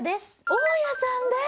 大矢さんです